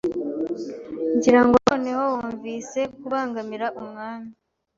ngira ngo noneho wumvise kubangamira umwami